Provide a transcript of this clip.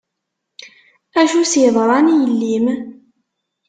Acu i s-yeḍran i yelli-m?